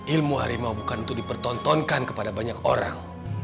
ilmu harimau bukan itu dipertontonkan kepada banyak orang